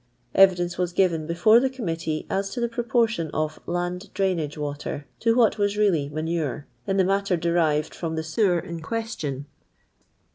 Bvidence was given before the committee as to the proportion of "land drainage leoter" to what was really vmanurtt in the matter derived from the sewer in question.